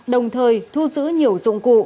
đồng thời thu giữ nhiều dụng cụ